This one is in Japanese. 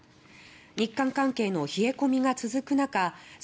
日韓関係の冷え込みが続く中菅